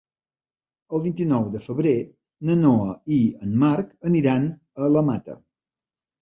El vint-i-nou de febrer na Noa i en Marc aniran a la Mata.